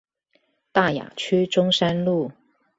大雅區中山路